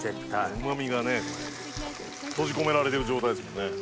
うま味が閉じ込められてる状態ですもんね。